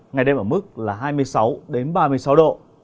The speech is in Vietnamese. ngày đêm ở mức là hai mươi sáu ba mươi sáu độ